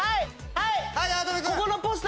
はい！